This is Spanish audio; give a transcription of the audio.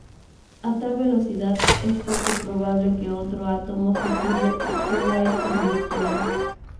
A tal velocidad es poco probable que otro átomo fisible absorba estos neutrones.